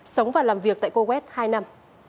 sống và làm việc tại cô quét hai năm